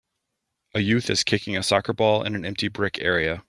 A youth is kicking a soccer ball in an empty brick area.